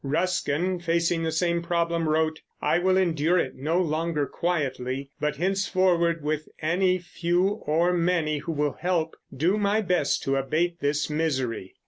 Ruskin, facing the same problem, wrote: "I will endure it no longer quietly; but henceforward, with any few or many who will help, do my best to abate this misery."